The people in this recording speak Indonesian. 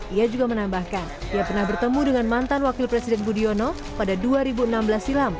ia juga menambahkan dia pernah bertemu dengan mantan wakil presiden budiono pada dua ribu enam belas silam